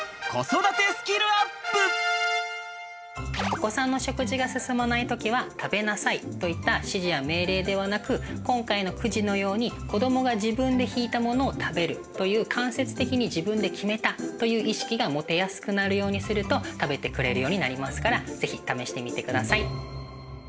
お子さんの食事が進まない時は「食べなさい」といった指示や命令ではなく今回のくじのように子どもが自分で引いたものを食べるという間接的に自分で決めたという意識が持てやすくなるようにすると食べてくれるようになりますから是非試してみてください。